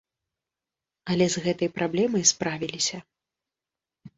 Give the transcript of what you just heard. Але з гэтай праблемай справіліся.